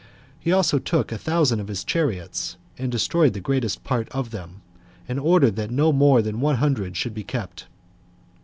He also took a thousand of his chariots, and destroyed the greatest part of them, and ordered that no more than one hundred should be kept.